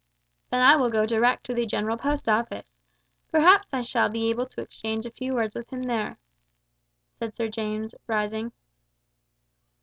"Then I will go direct to the General Post Office. Perhaps I shall be able to exchange a few words with him there," said Sir James, rising.